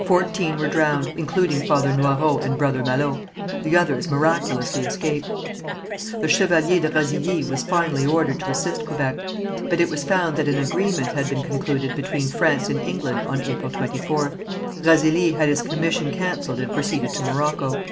Fourteen were drowned, including Father Noyrot and Brother Malot. The others miraculously escaped. The Chevalier de Razilly was finally ordered to assist Quebec, but it was found that an agreement had been concluded between France and England on April 24th. Razilly had his commission cancelled and proceeded to Morocco.